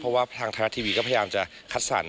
เพราะว่าทางไทยรัฐทีวีก็พยายามจะคัดสรร